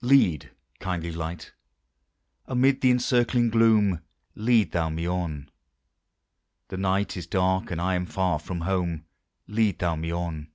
Lead, kindly Light, amid the encircling gloom, Lead thou me on! The night is dark, and I am far from home, Lead thou me on!